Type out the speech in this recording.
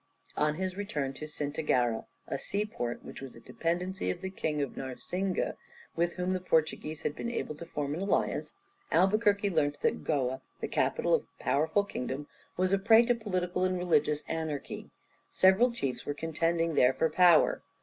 On his return to Cintagara, a sea port which was a dependency of the King of Narsingue, with whom the Portuguese had been able to form an alliance, Albuquerque learnt that Goa, the capital of a powerful kingdom, was a prey to political and religious anarchy. Several chiefs were contending there for power.